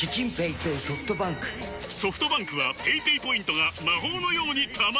ソフトバンクはペイペイポイントが魔法のように貯まる！